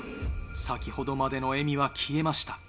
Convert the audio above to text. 先ほどまでの笑みは消えました。